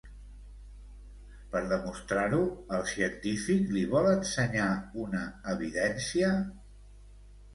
Per demostrar-ho, el científic li vol ensenyar una evidència?